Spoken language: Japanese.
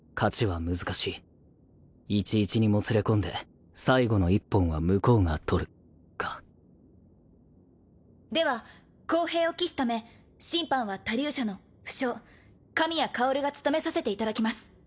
１・１にもつれこんで最後の１本は向こうがとるかでは公平を期すため審判は他流者の不肖神谷薫が務めさせていただきます。